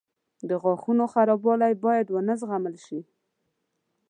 • د غاښونو خرابوالی باید ونه زغمل شي.